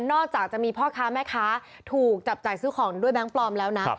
อกจากจะมีพ่อค้าแม่ค้าถูกจับจ่ายซื้อของด้วยแบงค์ปลอมแล้วนะ